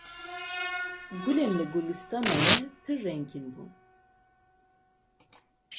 Gulên li gulistana me pir rengîn in.